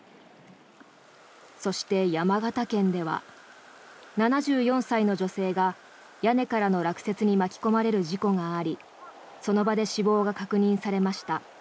そして、山形県では７４歳の女性が屋根からの落雪に巻き込まれる事故がありその場で死亡が確認されました。